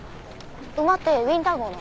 馬ってウィンター号の？